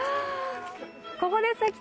ここです。